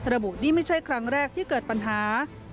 ระบุนี่ไม่ใช่ครั้งแรกที่เกิดปัญหา